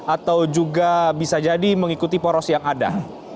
atau juga bisa jadi mengikuti poros yang ada